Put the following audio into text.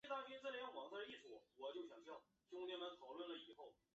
积体电路